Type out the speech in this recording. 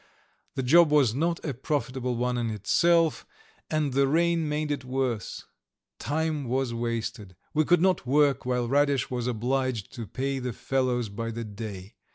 The job was not a profitable one in itself, and the rain made it worse; time was wasted; we could not work while Radish was obliged to pay the fellows by the day.